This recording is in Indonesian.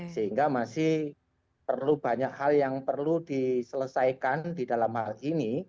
sehingga masih perlu banyak hal yang perlu diselesaikan